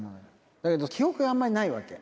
だけど記憶があんまりないわけ。